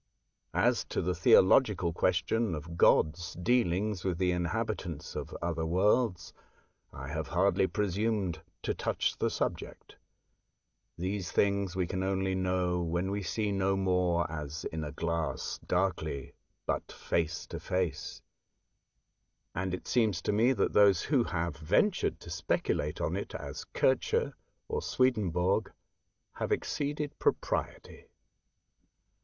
As to the theological question of God's deal ings with the inhabitants of other worlds, I have hardly presumed to touch the subject. These things we can only know when we see no more as '* in a glass darkly, but face to face "; and it seems to me that those who have ventured to speculate on it, as Kircher or Swedenborg, have exceeded propriety.